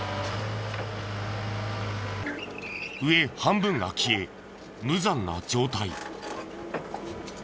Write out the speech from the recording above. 上半分が消え無残な状態。